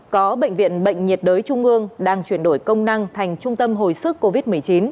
có bệnh viện bệnh nhiệt đới trung ương đang chuyển đổi công năng thành trung tâm hồi sức covid một mươi chín